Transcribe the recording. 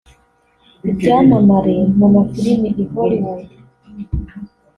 Ibyamamare mu ma filimi i Hollywood